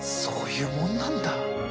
そういうもんなんだ。